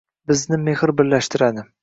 Bizni mehr birlashtiradi!